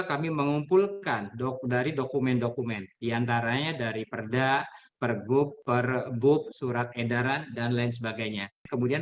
kepala pusat statistik mencari penilaian yang berbeda